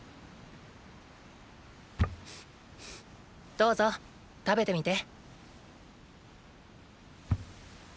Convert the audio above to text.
どうぞ食べてみて。